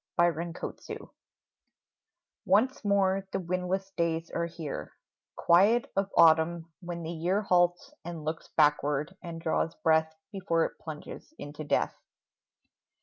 ANNIVERSARIES Once more the windless days are here, Quiet of autumn, when the year Halts and looks backward and draws breath Before it plunges into death.